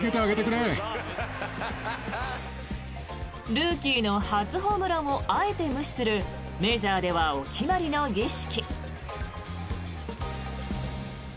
ルーキーの初ホームランをあえて無視するメジャーではお決まりの儀式。